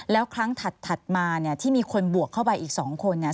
แล้วครั้งถัดมาที่มีคนบวกเข้าไปอีก๒คน